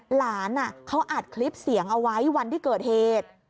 หลานเขาอัดคลิปเสียงเอาไว้วันที่เกิดเหตุ